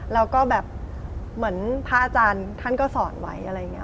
แล้วก็แบบเหมือนพระอาจารย์ท่านก็สอนไว้อะไรอย่างนี้